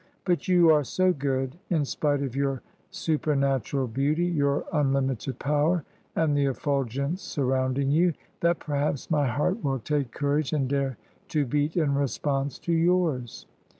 But you are so good, in spite of your super natural beauty, your unlimited power, and the efful gence surrounding you, that perhaps my heart will take courage and dare to beat in response to yours."